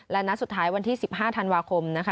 และนัดสุดท้ายวันที่๑๕ธันวาคมนะคะ